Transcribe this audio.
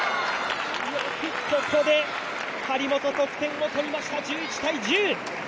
ここで張本、得点を取りました、１１−１０！